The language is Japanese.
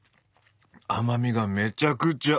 甘みがめちゃくちゃ合う！